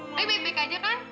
baik baik aja kan